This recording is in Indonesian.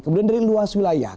kemudian dari luas wilayah